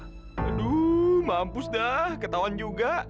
aduh mampus dah ketahuan juga